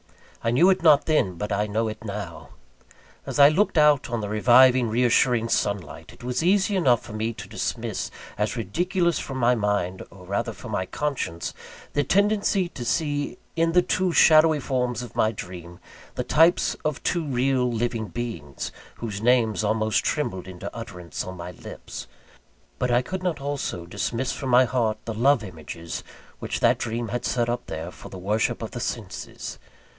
I knew it not then; but I know it now. As I looked out on the reviving, re assuring sunlight, it was easy enough for me to dismiss as ridiculous from my mind, or rather from my conscience, the tendency to see in the two shadowy forms of my dream, the types of two real living beings, whose names almost trembled into utterance on my lips; but I could not also dismiss from my heart the love images which that dream had set up there for the worship of the senses.